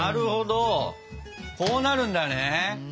こうなるんだね。